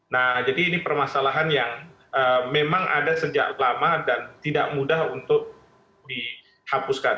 nah jadi ini permasalahan yang memang ada sejak lama dan tidak mudah untuk dihapuskan